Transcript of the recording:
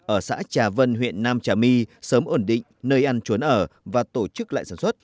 ở xã trà vân huyện nam trà my sớm ổn định nơi ăn trốn ở và tổ chức lại sản xuất